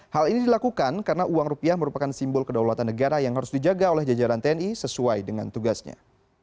hal ini dilakukan karena uang rupiah merupakan simbol kedaulatan negara yang harus dijaga oleh jajaran tni sesuai dengan tugasnya